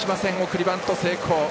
送りバント成功。